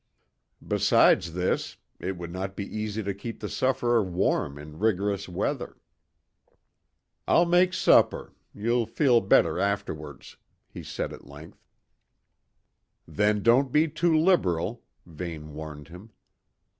Besides this, it would not be easy to keep the sufferer warm in rigorous weather. "I'll make supper. You'll feel better afterwards," he said at length. "Then don't be too liberal," Vane warned him.